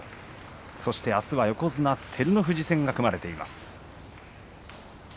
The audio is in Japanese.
そしてあすは横綱照ノ富士戦が組まれています。